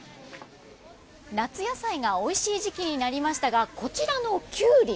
夏野菜がおいしい時期になりましたがこちらのキュウリ